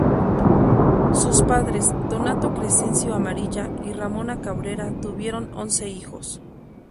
Sus padres, Donato Crescencio Amarilla y Ramona Cabrera tuvieron once hijos.